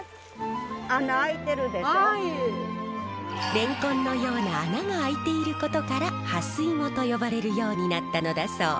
レンコンのような穴があいていることからハスイモと呼ばれるようになったのだそう。